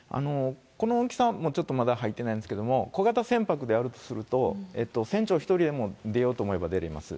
この大きさ、まだちょっと入ってないんですけど、小型船舶であるとすると、船長１人でも出ようと思えば出れます。